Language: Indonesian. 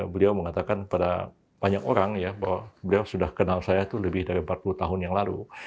beliau mengatakan pada banyak orang ya bahwa beliau sudah kenal saya itu lebih dari empat puluh tahun yang lalu